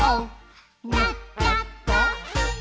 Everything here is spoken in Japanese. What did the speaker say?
「なっちゃった！」